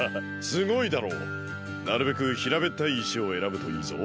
すごいだろう？なるべくひらべったいいしをえらぶといいぞ。